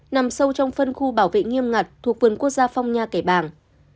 nằm sâu trong phân khu bảo vệ nghiêm ngặt thuộc vườn quốc gia phong nha kẻ bàng